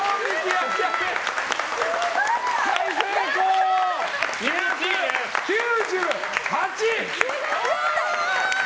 やったー！